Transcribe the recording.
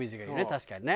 確かにね。